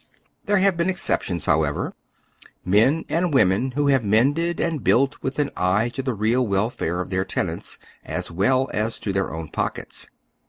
There have been ex ceptions, however: men and women who have mended and built with an eje to the reai welfare of their tenants as well aa to their own pockets.